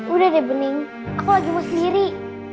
udah deh bening aku lagi mau sendiri